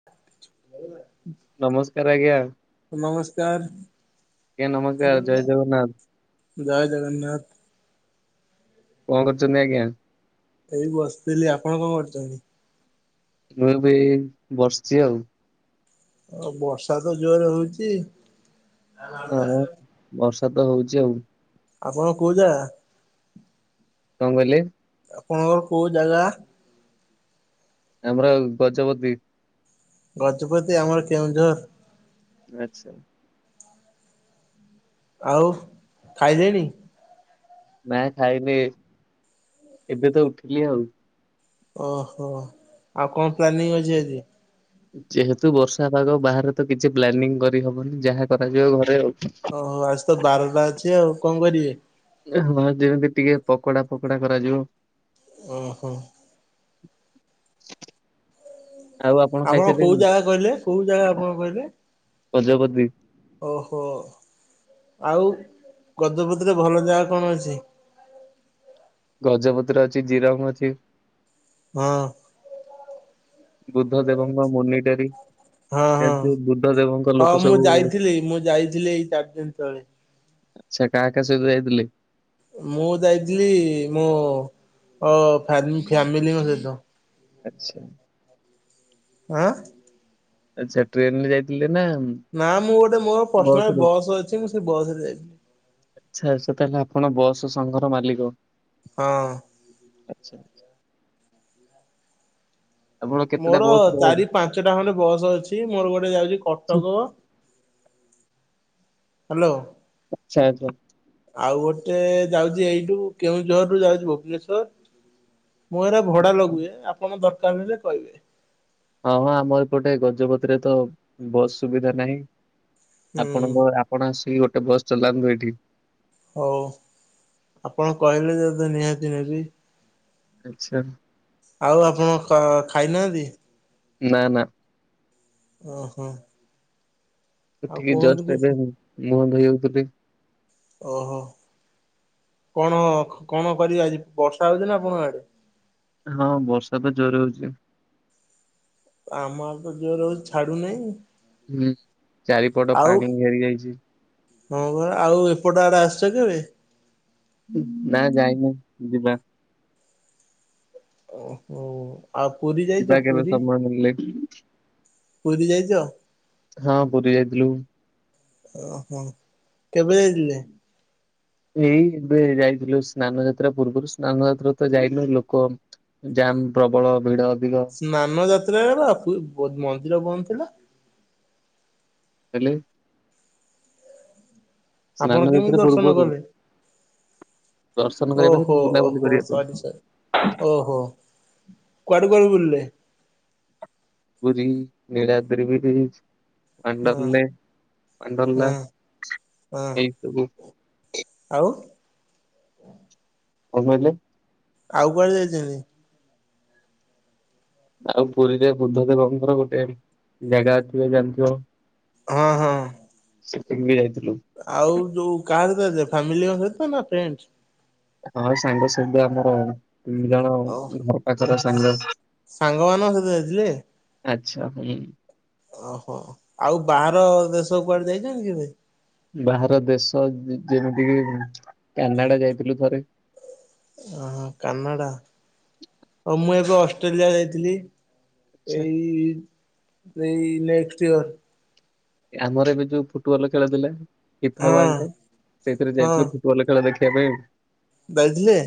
[inaudible] ନମସ୍କାର ଆଜ୍ଞା। ନମସ୍କାର ଆଜ୍ଞା ନମସ୍କାର ଜୟ ଜଗନ୍ନାଥ। ଜୟ ଜଗନ୍ନାଥ। କଣ କରୁଛନ୍ତି ଆଜ୍ଞା? ଏଇ ବସିଥିଲି ଆପଣ କଣ କରୁଛନ୍ତି? ମୁଁ ଏବେ ଏଇ ବସଚି ଆଉ। ଆଉ ବର୍ଷା ତ ଜୋରରେ ହଉଛି ନାଁ ମ ବର୍ଷା ତ ହଉଛି ଆଉ। ଆପଣଙ୍କର କୋଉ ଯାଗା? କଣ କହିଲେ? ଆପଣଙ୍କର କୋଉ ଜାଗା? ଆମର ଗଜପତି। ଗଜପତି ଆମର କେଉଁଝର। ଆଛା। ଆଉ ଖାଇସାଇଲେଣି? ନାଇଁ ଖାଇନି, ଏବେ ତ ଉଠିଲି ଆଉ। ଓହୋ ଆଉ କଣ ପ୍ଲାନିଂ ଅଛି ଆଜି? ଯେହେତୁ ବର୍ଷା ପାଗ ବାହାରେ ତ କିଛି ପ୍ଲାନିଂ କରିହବନି ଯାହା କରାଯିବ ଘରେ ଆଉ। ଓହୋ ଆଜି ତ ବାରଟା ଅଛି ଆଉ କଣ କରିବେ? ହଁ ଯେମିତି ଟିକେ ପକୋଡା ଫକୋଡା କରାଯିବ। ଓହୋ। [inaudible] ଆପଣ କୋଉ ଖାଇସାରିଲେଣି? ଜାଗା କଇଲେ କୋଉ ଜାଗା ଆପଣ କଇଲେ? ଗଜପତି। ଓହୋ ଆଉ ଗଜପତିରେ ଭଲ ଜାଗା କଣ ଅଛି? ଗଜପତିରେ ଅଛି ଜିରଙ୍ଗ ଅଛି। ହଁ। ବୁଦ୍ଧ ଦେବଙ୍କ ମୁନିଟାରୀ। ହଁ ହଁ ବୁଦ୍ଧ ଦେବଙ୍କ ଲୋକ ହଁ ମୁଁ ସବୁ ଯାଇଥିଲି ମୁଁ ଯାଇଥିଲି ଏଇ ଚାରି ଦିନ ତଳେ। ସେଇଟା ଏକା କାହା ସହିତ ଯାଇଥିଲେ? ମୁଁ ଯାଇଥିଲି ମୋ ଓ ଫ୍ୟାମ୍ ଫ୍ୟାମିଲିଙ୍କ ସହିତ। ଆଚ୍ଛା। ଆଁ। ଆଚ୍ଛା ଟ୍ରେନରେ ଯାଇଥିଲେ ନା ନା ମୁଁ ଗୋଟେ ମୋର ବସ ପର୍ସନାଲ ରେ? ବସ୍ ଅଛି ମୁଁ ସେ ବସରେ ଯାଇବି। ଆଛା ଆଛା ତାହେଲେ ଆପଣ ବସ୍ ସଂଘର ମାଲିକ? ହଁ। ଆଚ୍ଛା। ଆପଣ କେତେଟା ମୋର ବସ୍ ର ଚାରି ପାଞ୍ଚଟା ଖଣ୍ଡେ ବସ୍ ଅଛି ମୋର ଗୋଟେ ଯାଉଚି ଆଚ୍ଛା କଟକ। ହାଲୋ। ଆଚ୍ଛା ଆଚ୍ଛା। ଆଉ ଗୋଟେ ଯାଉଚି ଏଇଠୁ କେଉଁଝରରୁୁ ଯାଉଚି ଭୁବନେଶୋର। ମୁଁ ଏରା ଭଡ଼ା ଲଗୁଏ ଆପଣଙ୍କ ଦରକାର ହେଲେ କଇବେ। ହଁ ହଁ ଆମ ଏପଟେ ଗଜପତିରେ ତ ବସ୍ ସୁବିଧା ନାହିଁ ହୁଁ ଆପଣଙ୍କ ଆ ଆପଣ ଆସିକି ଗୋଟେ ବସ୍ ଚଲାନ୍ତୁ ଏଠି। ହଉ ଆପଣ କହିଲେ ଯଦି ନିହାତି ନେବି। ଆଚ୍ଛା। ଆଉ ଆପଣ ଖା ଖାଇନାହାନ୍ତି? ନାଁ ନାଁ। ଅହଁ। ଉଠିକି ଜଷ୍ଟ୍ ଏବେ କିଛି ମୁଁ ମୁହଁ ଧୋଇହୋଉଥିଲି। ଓହୋ କଣ ଖ କଣ କରିବେ ଆଜି ବର୍ଷା ହଉଚି ନାଁ ଆପଣଙ୍କ ଆଡ଼େ? ହଁ ବର୍ଷା ତ ଜୋରେ ହଉଚି। ଆମ ଆଡ଼େ ତ ଜୋରେ ହଉଚି ଛାଡୁ଼ନେଇ। ଉଁ ଚାରିପଟ ପାଣି ଘେରି ଯାଇଚି। ହଁ ପରା ଆଉ ଏପଟ ଆଡ଼େ ଆସିଚ କେବେ? ନାଁ ଯାଇନେଇ ଯିବା। ଅ ହଉ। ଇବା କେବେ ସମୟ ମିଲଲେ। ପୁରୀ ଯାଇଚ? ହଁ ପୁୁରୀ ଆଇତିଲୁ। ଓହୋ କେବେ ଆଇଇଲେ? ଏଇ ଏବେ ଯାଇଥିଲୁ ସ୍ନାନ ଯାତ୍ରା ପୂର୍ବରୁ ସ୍ନାନ ଯାତ୍ରା ତ ଯାଇନୁ ଲୋକ ଜାମ୍ ପ୍ରବଳ ଭିଡ଼ ଅଧିକ। ନାନ ଯାତ୍ରାରେ ଅପି ବ ମନ୍ଦିର ବନ୍ଦ ଥିଲା। ଏଲେ ଆପଣ ସ୍ନାନ କେମିତି ଯାତ୍ରା ଦର୍ଶନ ପୂର୍ବରୁ କଲେ? ଦର୍ଶନ କରିବା ଓହୋ ପାଇଁ [inaudible] ବୁଲାବୁଲି ଓହୋ କରିବାକୁ। ସରି ସରି ଓହୋ କୁଆଡ଼େ କୁଆଡ଼େ ବୁଲଲେ? ପୁରୀ ନୀଳାଦ୍ରି ବିରିଜ୍। ହଁ ୱାଣ୍ଡର୍ଲେ ୱାଣ୍ଡର୍ଲା ହଁ ହଁ ଏଇ ସବୁ। ଆଉ କଁ କହିଲେ? ଆଉ କୁଆଡ଼େ ଯାଇଚନ୍ତି? ଆଉ ପୁରୀରେ ବୁଦ୍ଧଦେବଙ୍କର ଗୋଟେ ଜାଗା ଥିବ ଜାଣିଥିବ। ହଁ ହଁ। ସେଠିକି ବି ଯାଇଥିଲୁ। ଆଉ ଯୋଉ କାହା ସହିତ ଯାଇଥିଲ ଫ୍ୟାମିଲିଙ୍କ ସହିତ ନାଁ ଫ୍ରେଣ୍ଡସ୍? ହଁ ସାଙ୍ଗ ସହିତ ଆମର ତିନ୍ ଜଣ ଓ ମୋ ଘର ପାଖର ସାଙ୍ଗ ସାଙ୍ଗମାନଙ୍କ ସହିତ ଯାଇଥିଲେ ଆଚ୍ଛା ହୁଁ। ଅହ ଆଉ ବାହାର ଦେଶ କୁଆଡ଼େ ଯାଇଚନ୍ତି କେବେ? ଉଁ ବାହାର ଦେଶ ଯେମିତି କିି କାନାଡ଼ା ଯାଇଥିଲୁ ଥରେ। ଅହ କାନାଡ଼ା ଓ ମୁଁ ଏବେ ଅଷ୍ଟ୍ରେଲିଆ ଯାଇଥିଲି। ଆଚ୍ଛା ଏଇ ଏଇ ନେକ୍ସଟ୍ ଇୟର୍। ଏ ଆମର ଏବେ ଯୋଉ ଫୁଟବଲ୍ ଖେଳ ଥିଲା ଫିଫା ହଁ ୱାଲ୍ଡ କପ୍ ସେଇଥିରେ ଯାଇଥିଲୁ ଫୁ ବଲ୍ ଖେଳ ଦେଖିବା ପାଇଁ। ବେଳ ଥିଲେ?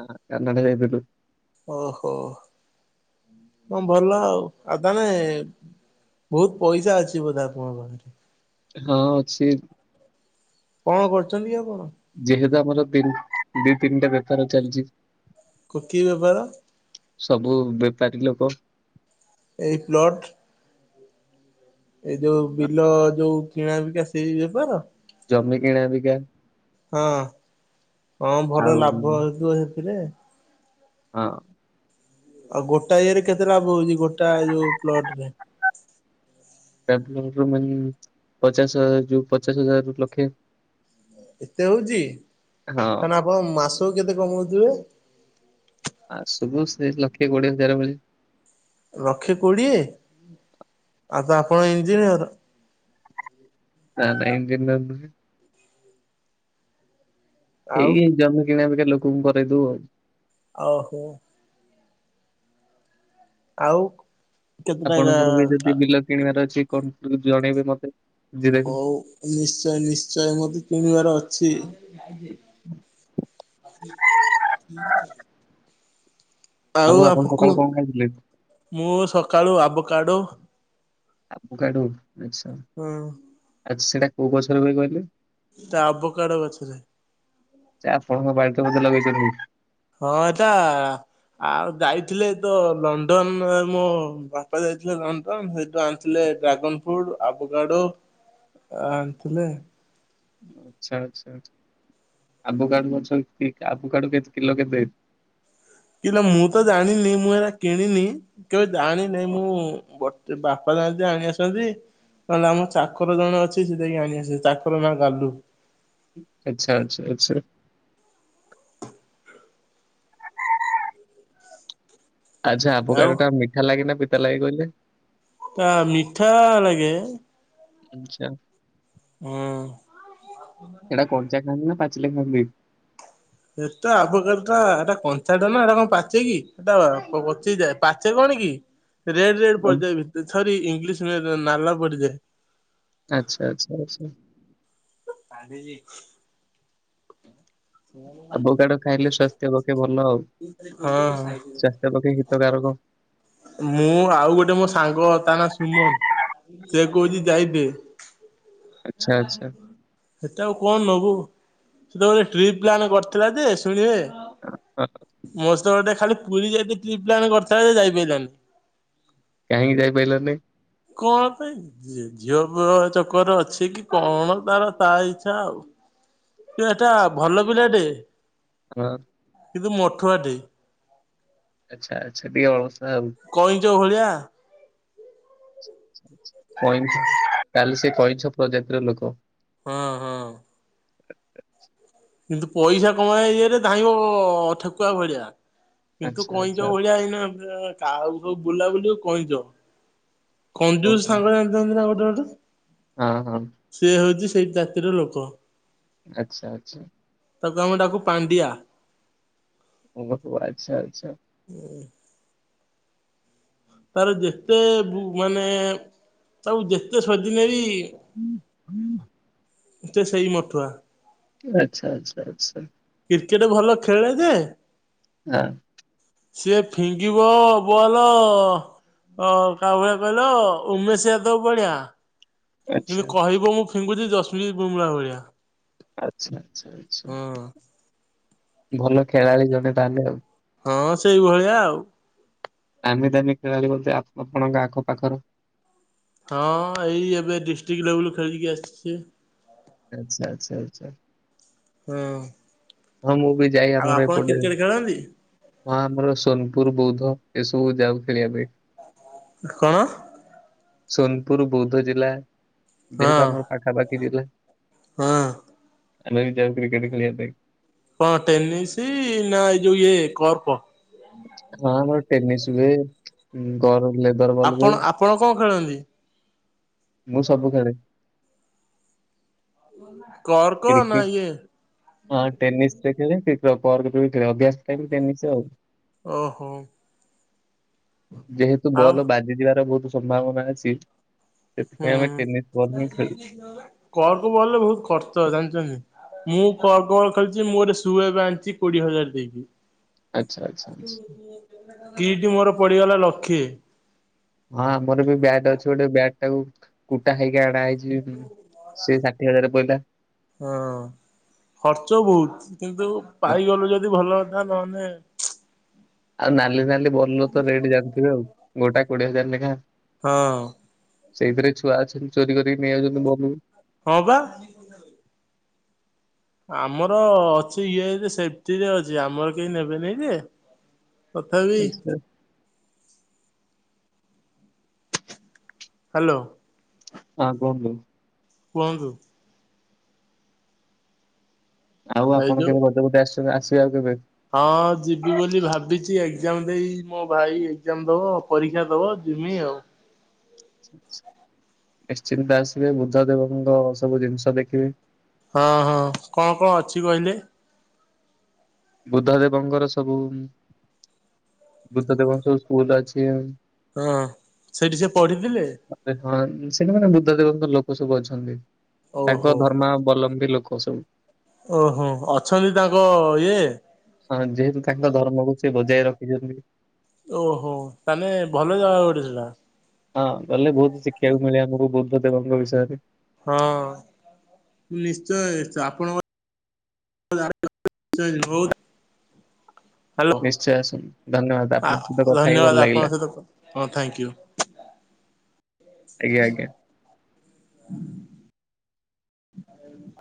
ହଁ କାନାଡ଼ା ଯାଇଥିଲୁ। ଓହୋ, ହଁ ଭଲ ଆଉ ଆଉ ତାହାନେ ବହୁତ ପଇସା ଅଛି ବୋଧେ ଆପଣଙ୍କ ପାଖରେ? ହଁ ଅଛି। କଣ କରୁଚନ୍ତି ଆପଣ? ଯେହେତୁ ଆମର ତିନ୍ ଦି ତିନିଟା ବେପାର ଚାଲିଚି। କ- କିି ବେପାର? ସବୁ ବେପାରୀ ଲୋକ ଏଇ ପ୍ଲଟ୍। ଏଇ ଯୋଉ ବିଲ ଯୋଉ କିଣା ବିକା ସେଇ ବେପାର? ଜମି କିଣାବିକା। ହଁ। ହଁ ଭଲ ଆଉ ହଁ ଲାଭ ହେଉଥିବ ସେଥିରେ। ହଁ। ଆଉ ଗୋଟାଏ ଇଏରେ କେତେ ଲାଭ ହଉଚି ଗୋଟା ଯୋଉ ପ୍ଲଟ୍ ରେ? [unintelligible] ମନି ପଚାଶ ଯୋଉ ପଚାଶ ହଜାର ରୁ ଲକ୍ଷେ। ଏତେ ହଉଚି। ହଁ ତାହାନେ ଆପଣ ମାସକୁ କେତେ କମଉଥିବେ? ମାସକୁ ସେ ଲକ୍ଷେ କୋଡିଏ ହଜାର ମିଳେ। ଲକ୍ଷେ କୋଡିଏ। ଆଉ ତ ଆପଣ ଇଞ୍ଜିନିୟର୍। ନା ନା ଇଞ୍ଜିନିୟର୍ ନୁହେଁ। ଆଉ ଏଇ ଜମି କିଣିବିକା ଲୋକଙ୍କୁ କରେଇ ଦଉ ଆଉ। ଓହୋ। ଆଉ କେତେ ଟଙ୍କା ଆପଣଙ୍କର ବି ଯଦି ବିଲ କିଣିବାର ଅଛି କଣ କି ଜଣେଇବେ ମୋତେ। ହଉ ନିଶ୍ଚୟ ନିଶ୍ଚୟ ମୋତେ କିଣିବାର ଅଛି। କିଏ ଆଇଚି? [unintelligible] ଆଉ ଆପଣ ଆପକୁ ସକାଳୁ କଣ ଖାଇଥିଲେ? ମୁଁ ସକାଳୁ ଆବ କାଡୋ ଆବ କାଡୁ ଆଚ୍ଛା ହଁ ଆ, ସେଟା କୋଉ ଗଛ ରେ ହୁଏ କହିଲେ? ଟା ଆବ କାଡୋ ଗଛରେ। ସେ ଆପଣଙ୍କ ବାଡ଼ିରେ ବୋଧେ ଲଗେଇଚନ୍ତି? ହଁ ଏଟା ଆଉ ଯାଇଥିଲେ ତ ଲଣ୍ଡନ୍ ମୋ ବାପା ଯାଇଥିଲେ ଲଣ୍ଡନ୍ ସେଇଠୁ ଆଣ ଥିଲେ ଡ୍ରାଗନ ଫ୍ରୁଟ୍, ଆବକାଡୋ ଆଣିଥିଲେ। ଆଚ୍ଛା ଆଚ୍ଛା ଛା- ଆବୁକାଡୁ ଗଛ କି ଆବୁକାଡୁ କେତ କିଲୋ କେତେ? କିଲୋ ମୁଁ ତ ଜାଣିନି ମୁଁ ଏଟା କିଣିନି। କେବେ ଜାଣିିନି ମୁଁ ବଟ୍ ବାପା ତାଙ୍କ ଆଣି ଆସନ୍ତି। ନହେଲେ ଆମ ଚାକର ଜଣେ ଅଛି ସେ ଯାଇକି ଆଣିଆସେ। ଚାକର ନାଁ ଗାଲୁ। ଆଚ୍ଛା, ଆଚ୍ଛା, ଆଚ୍ଛା। ଆଚ୍ଛା ଆଉ ଆବକାଡୋ ଟା ମିଠା ଲାଗେ ନା ପିତା ଲାଗେ କହିଲେ? ତା ମିଠା ଲାଗେ। ଆଚ୍ଛା। ହଁ। ଏଟା କଞ୍ଚା ଖାଆନ୍ତି ନା ପାଚିଲେ ଖାଆନ୍ତି? ଏଟା ଆବକାଡୁ ଟା ଏଟା କଞ୍ଚା ଟା ନା ଏଟା କଣ ପାଚେ କି ଏଟା ପ- ପଚି ଯାଏ। ପା ସେ କଣ କି ରେଡ୍ ରେଡ୍ ଆଉ ପଡିଯାଏ ଭିତ, ସରି ଇଂଲିଶ ରେ ରେ ନାଲା ପଡିଯାଏ। ଆଚ୍ଛା, ଆଚ୍ଛା, ଆଚ୍ଛା। କାନ୍ଧିକି ଆବକାଡୋ ଖାଇଲେ ସ୍ଵାସ୍ଥ୍ୟ ପକ୍ଷେ ଭଲ ଆଉ। ହଁ। ସ୍ଵାସ୍ଥ୍ୟ ପକ୍ଷେ ହିତକାରକ। ମୁଁ ଆଉ ଗୋଟେ ମୋ ସାଙ୍ଗ ତା ନାଁ ସୁମନ ସେ କହୁଚି ଯାଇତେ। ଆଚ୍ଛା ଯାଉନୁ ଆଚ୍ଛା ଗାଧେଇବୁ। ସେଟା ଆଉ କଣ ନବୁ ସେଟା ଗୋଟେ ଟ୍ରିପ ପ୍ଲାନ୍ କରିଥିଲା ଯେ ଶୁଣିବେ [unintelligible] ମୋ ସହିତ ଗୋଟେ ଖାଲି ପୁରୀ ଯାଇ ଟ୍ରିପ୍ ପ୍ଲାନ କରିଥାନ୍ତେ, ଯାଇପାରିଲାନି। କାହିଁକି ଯାଇପାରିଲନି? କଣ ପାଇଁ, ଝିଅ ପୁଅ ଚକରର ଅଛି। ସେ କି କଣ ତାର ତା ଇଛା ଆଉ ଏଟା ଭଲ ପିଲା ଟେ। [unintelligible] କିନ୍ତୁ ମଠୁଆଟେ। ଆଛା ଆଛା [unintelligible] କଇଁଛ ଭଳିଆ କଇଁଛ ତାହାଲେ ସେ କଇଁଛ ପ୍ରଜାତିର ଲୋକ। ହଁ ହଁ କିନ୍ତୁ ପଇସା କମେଇଏରେ ଧାଇଁବ ଠେକୁଆ ଭଳିଆ। କିନ୍ତୁ କଇଁଚ ଭଳିଆ ଏଇନା କଉ ସବୁ ବୁଲାବୁଲିଉ କଇଁଚ କଞ୍ଜୁର ସାଙ୍ଗ ଏଣିଥାନ୍ତି ନା ଗୋଟେ ଗୋଟେ ହଁ ହଁ ସେ ହଉଛି ସେଇ ଜାତିର ଲୋକ ଆଛା ଆଛା ତାକୁ ଆମେ ଡାକୁ ପାଣ୍ଡିଆ ଓ ଆଛା ଆଛା ହୁଁ ତାର ଯେତେ ମାନେ, ତାକୁ ଯେତେ ସୋଦିଲେବି [unintelligible] ଏତେ ସେଇ ମଠୁଆ ଆଛା ଆଛା ଆଛା କ୍ରିକେଟ ଭଲ ଖେଳେ ଯେ [unintelligible] ସିଏ ଫିଙ୍ଗିବ ବଲ୍ ଅ ଓ କା ଭଳିଆ କହିଲ -ଉମେଶ ଯାଦବ ଭଳିଆ। କିନ୍ତୁ କହିବ ମୁଁ ଫିଙ୍ଗୁଛି ଯଶମି ବୁମଳା ଭଳିଆ ଆଛା ଆଛା ଆଛା ହଁ ଭଲ ଖେଳାଳି ଜଣେ ତାହେଲେ ଆଉ ହଁ ସେଇଭଳିଆ ଆଉ ଆମେ ଦମ ଖେଳଳି ବୋଧେ ଆପଣଙ୍କ ଆଖ ପାଖର ହଁ ଏଇ ଏବେ ଡିଷ୍ଟ୍ରିକ ଲେବୁଲ ଖେଳିକି ଆସିଛି। ଆଛା ଆଛା ଆଛା ହଁ ଅଁ ହଁ ମୁଁ ବି ଯାଇ ଆମର ଏପଟେ ଖେଳନ୍ତି? ହଁ ଆମର ସୋନପୁର ବୌଦ୍ଧ ଏସବୁ ଯାଉ ଖେଳିବା ପାଇଁ କଣ? ସୋନପୁର ବୌଦ୍ଧ ଜିଲ୍ଲା, ହଁ ଯେହେତୁ ଆମର ପାଖାପାଖି ଜିଲ୍ଲା। ହଁ ଅଁ ଆମେ ବି ଯାଉ କ୍ରିକେଟ ଖେଳିବା ପାଇଁ କ ଟେନିସ ନା ଏଇ ଯଉ କପ ହଁ ଆମର ଟେନିସ୍ ବି ଲେଦର ବଲ ହୁଏ। କଣ କଣ ଖେଳନ୍ତି? ମୁଁ ସବୁ ଖେଳେ। କର୍କ ନା କ୍ରିକେଟ ଇଏ? ହଁ ଟେନିସ ରେ ଅଭ୍ୟାସ ଟେନିସ ଆଉ ଓହୋ ଯେହେତୁ ଆଉ ବଲ ବାଜି ଯିବାର ବହୁତ ସମ୍ଭାବନା ଅଛି? ସେଥିପାଇଁ ଆମେ ଟେନିସ୍ ବଲ୍ ହିଁ ଖେଳୁ। [inaudible] କରକ ବଲରେ ବହୁତ ଖର୍ଚ୍ଚ ଜାଣିଛନ୍ତି। ମୁଁ କଣ କଣ ଖେଲିଛି ମୁଁ ଗୋଟେ ଶୁଏ ବାଧଛି କୋଡିଏ ହଜାର ଦେଇକି। ଆଚ୍ଛା ଆଚ୍ଛା ଆଚ୍ଛା କିଟି ମୋର ପଡିଗଲା ଲକ୍ଷେ। ହଁ ଆମର ବି ବ୍ୟାଟ୍ ଅଛି ଗୋଟେ ବ୍ୟାଟ୍ ଟାକୁ କୁଟା ଖାଇକି ଆଣା ହେଇଛି ସେଇ ଷାଠିଏ ହଜାର ପଇଲା। ହଁ ଖର୍ଚ୍ଚ ବହୁତ କିନ୍ତୁ ହଁ ପାଇଗଲୁ ଯଦି ଭଲ ତା ନହେଲେ ଆଉ ନାଲି ନାଲି ଭଲ ତ ରେଟ୍ ଜାଣିଥିବେ ଆଉ ଗୋଟା କୋଡିଏ ହଜାର ଲେଖା ହଁ। ସେଇଥିରେ ଛୁଆ ଅଛନ୍ତି ଚୋରି କରିକି ନେଇ ଯାଉଛନ୍ତି [unintelligible] ହଁ ପା। ଆମର ଅଛି ୟୁଇରେ ସେଫ୍ଟିରେ ଅଛି ଆମର କେହି ନେବେନି ଯେ ତଥାପି ଆଚ୍ଛା ହାଲୋ। ହଁ କୁହନ୍ତୁ। କୁହନ୍ତୁ। ଆଉ ଏଇ ଆପଣ ଯୋଉ କେବେ ଗଜପତି ଆସ ଆସେ ଆଉ କେବେ? ହଁ ଯିବି ବୋଲି ଭାବିଛି ଏକ୍ଜାମ ଦେଇ ମୋ ଭାଇ ଏକ୍ଜାମ ଦବ ପରୀକ୍ଷା ଦବ ଯିମି ଆଉ। ନିଶ୍ଚିନ୍ତ ଆସିବେ ବୁଦ୍ଧ ଦେବଙ୍କ ସବୁ ଜିନିଷ ଦେଖିବେ। ହଁ ହଁ କଣ କଣ ଅଛି କହିଲେ? ବୁଦ୍ଧ ଦେବଙ୍କର ସବୁ ବୁଦ୍ଧ ଦେବଙ୍କ ସ୍କୁଲ ଅଛି। ହଁ ସେଇଠି ସେ ପଢିଥିଲେ। ହଁ ସେଠିମାନେ ବୁଦ୍ଧ ଦେବଙ୍କ ଲୋକ ସବୁ ଅଛନ୍ତି। ତାଙ୍କ ଓହୋ ଧର୍ମାବଲମ୍ବୀ ଲୋକ ସବୁ। ଓହୋ ଅଛନ୍ତି ତାଙ୍କ ଇଏ ହଁ ଯେହେତୁ ତାଙ୍କ ଧର୍ମକୁ ସେ ବଜାୟ ରଖିଛନ୍ତି ଓହୋ ତାହେଲେ ଭଲ ଜାଗା ଗୋଟେ ସେଟା। ହଁ ଗଲେ ବହୁତ ଶିକ୍ଷିବାକୁ ମିଳେ ଆମକୁ ବୁଦ୍ଧ ଦେବଙ୍କ ବିଷୟରେ। ହଁ ମୁଁ ନିଶ୍ଚୟ ଆପଣଙ୍କ [unintelligible] ବହୁତ ନିଶ୍ଚୟ ଆସନ୍ତୁ ଧନ୍ୟବାଦ ଆପଣଙ୍କ ସହିତ କଥା ହେଇ ଧନ୍ୟବାଦ ଭଲ ଆପଣଙ୍କ ଲାଗିଲା। ସହିତ ହଁ ଥ୍ୟାଙ୍କୟୁ। ଆଜ୍ଞା ଆଜ୍ଞା। [inaudible]